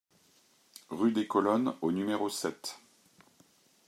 Rue des Colonnes au numéro sept